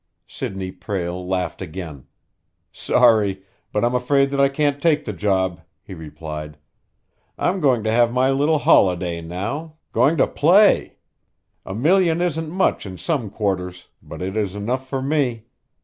Sidney Prale laughed again. "Sorry but I'm afraid that I can't take the job," he replied. "I am going to have my little holiday now going to play. A million isn't much in some quarters, but it is enough for me.